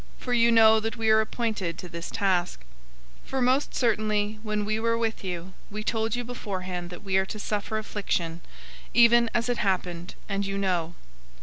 For you know that we are appointed to this task. 003:004 For most certainly, when we were with you, we told you beforehand that we are to suffer affliction, even as it happened, and you know.